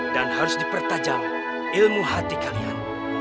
dan harus dipertajam ilmu hati kalian